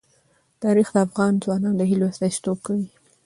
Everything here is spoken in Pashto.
تاریخ د افغان ځوانانو د هیلو استازیتوب کوي.